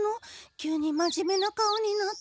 急にまじめな顔になって。